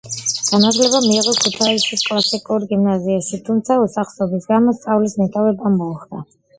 განათლება მიიღო ქუთაისის კლასიკურ გიმნაზიაში, თუმცა უსახსრობის გამო სწავლის მიტოვება მოუხდა.